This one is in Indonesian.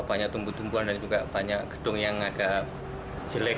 banyak tumbuh tumbuhan dan juga banyak gedung yang agak jelek